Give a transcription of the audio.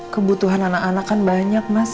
kebutuhan anak anak kan banyak mas